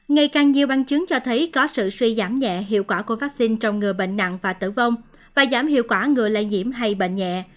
ngày càng nhiều băng chứng cho thấy có sự suy giảm nhẹ hiệu quả của vaccine trong ngừa bệnh nặng và tử vong và giảm hiệu quả người lây nhiễm hay bệnh nhẹ